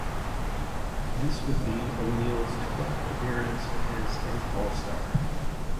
This would be O'Neal's twelfth appearance as an All-Star.